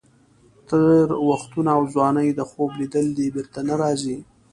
تېر وختونه او ځواني د خوب لیدل دي، بېرته نه راځي.